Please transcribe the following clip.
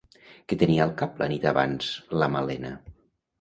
Què tenia al cap la nit abans la Malena?